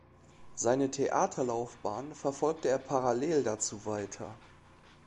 Seine Theaterlaufbahn verfolgte er parallel dazu weiter.